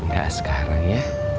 gak sekarang ya